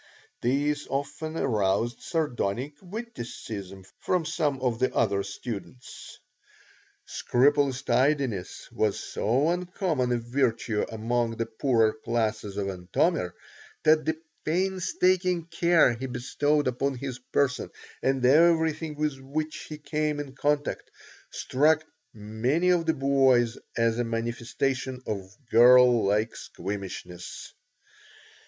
This often aroused sardonic witticism from some of the other students. Scrupulous tidiness was so uncommon a virtue among the poorer classes of Antomir that the painstaking care he bestowed upon his person and everything with which he came in contact struck many of the boys as a manifestation of girl like squeamishness.